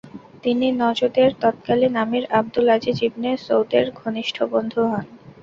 তিনি নজদের তৎকালীন আমির আবদুল আজিজ ইবনে সৌদের ঘনিষ্ঠ বন্ধু হন।